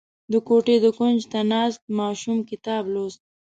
• د کوټې د کونج ته ناست ماشوم کتاب لوسته.